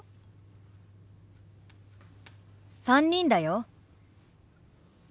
３人だよ。